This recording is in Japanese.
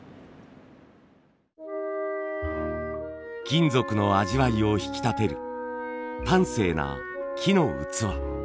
金属の味わいを引き立てる端正な木の器。